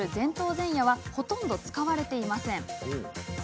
前野はほとんど使われていません。